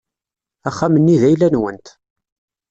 Axxam-nni d ayla-nwent.